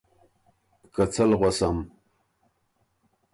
که څۀ ل غؤسم؟